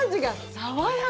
爽やか。